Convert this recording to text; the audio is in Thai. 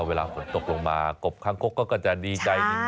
เวลาฝนตกลงมากบคางคกก็จะดีใจจริง